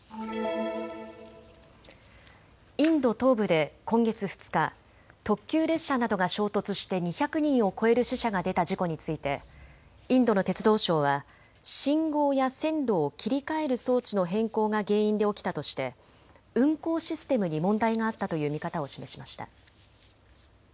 インド東部で今月２日、特急列車などが衝突して２００人を超える死者が出た事故についてインドの鉄道相は信号や線路を切り替える装置の変更が原因で起きたとして運行システムに問題があったという見方を示しました。